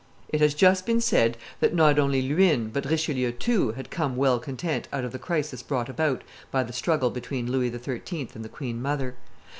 It has just been said that not only Luynes, but Richelieu too, had come well content out of the crisis brought about by the struggle between Louis XIII. and the queen mother.